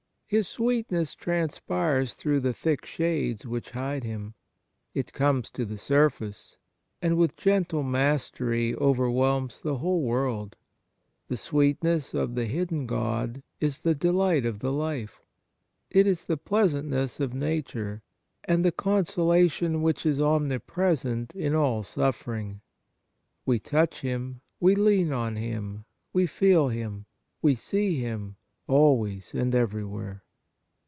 His sweetness transpires through the thick shades which hide Him. It comes to the surface, and with gentle mastery overwhelms the whole world. The sweetness of the hidden God is the delight of the life. It is the pleasant ness of nature, and the consolation w^hich is omnipresent is all suffering. We touch Him, we lean on Him, we feel Him, we see Him, always and everywhere.